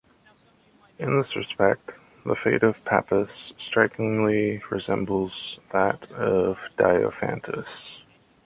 In this respect the fate of Pappus strikingly resembles that of Diophantus.